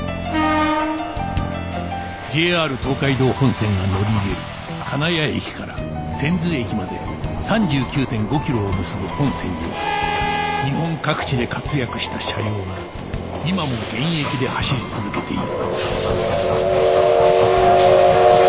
ＪＲ 東海道本線が乗り入れる金谷駅から千頭駅まで ３９．５ キロを結ぶ本線には日本各地で活躍した車両が今も現役で走り続けている